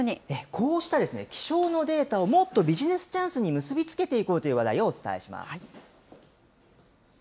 こうした気象のデータをもっとビジネスチャンスに結び付けていこうという話題をお伝えします。